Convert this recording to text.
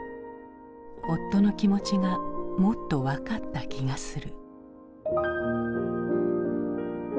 夫の気持ちがもっと分かった気がする。